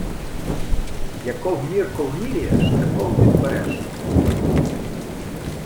Яков мірков міряєш, таков відбереш!